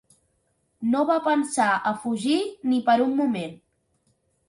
No va pensar a fugir ni per un moment.